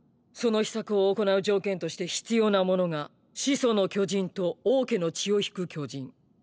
その「秘策」を行う条件として必要なものが「始祖の巨人」と「王家の血を引く巨人」。